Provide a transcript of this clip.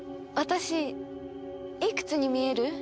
私いくつに見える？